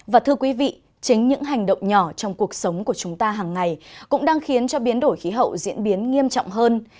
và thưa quý vị chính những hành động nhỏ trong cuộc sống của chúng ta hàng ngày cũng đang khiến cho biến đổi khí hậu diễn biến nghiêm trọng hơn